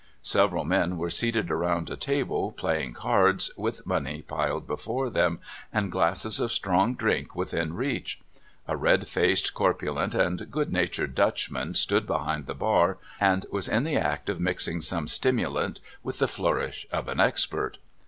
Several men were seated around a table playing cards, with money piled before them, and glasses of strong drink within reach. A red faced, corpulent, and good natured Duchman stood behind the bar, and was in the act of mixing some stimulant with the flour ish of an expert.